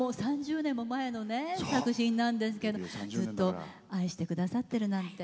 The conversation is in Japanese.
３０年も前の作品なんですけどずっと愛してくださってるなんて。